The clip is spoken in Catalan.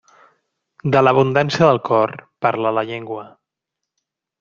De l'abundància del cor, parla la llengua.